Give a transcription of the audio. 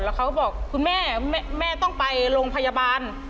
แล้วเขาก็บอกคุณแม่แม่ต้องไปโรงพยาบาล